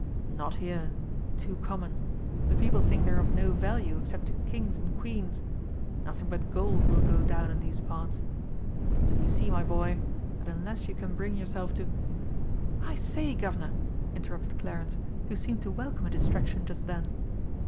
"Not here. Too common. The people think they're of no value except to kings and queens. Nothing but gold will go down in these parts. So you see, my boy, that unless you can bring yourself to " "I say, Guv'nor," interrupted Clarence, who seemed to welcome a distraction just then.